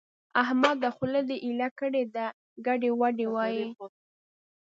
احمده! خوله دې ايله کړې ده؛ ګډې وډې وايې.